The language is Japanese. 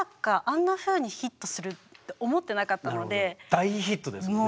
大ヒットですよね。